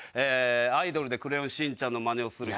アイドルでクレヨンしんちゃんのマネをする人